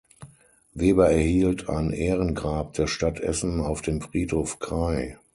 Weber erhielt ein Ehrengrab der Stadt Essen auf dem Friedhof Kray.